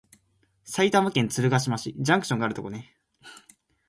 埼玉県鶴ヶ島市